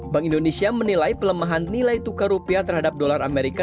bank indonesia menilai pelemahan nilai tukar rupiah terhadap dolar amerika